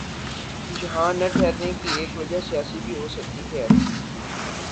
یہاں نہ ٹھہرنے کی ایک وجہ سیاسی بھی ہو سکتی ہے۔